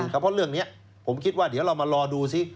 เพราะเรื่องนี้ผมคิดว่าเดี๋ยวเรามารอดูซิ